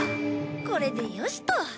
これで良しと！